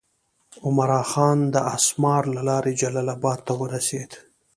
عمرا خان د اسمار له لارې جلال آباد ته ورسېد.